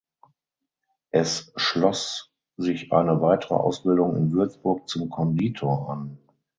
Es schloss sich eine weitere Ausbildung in Würzburg zum Konditor an.